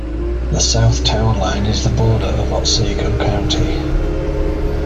The south town line is the border of Otsego County.